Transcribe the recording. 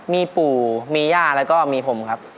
มีปู่มีย่าแล้วก็มีผมครับ